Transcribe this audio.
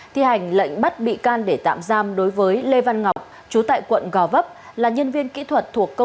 thi hành lệnh bắt bị can để tạm giam đối với lê văn ngọc